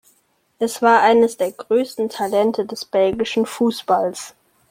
Er war eines der größten Talente des belgischen Fußballs.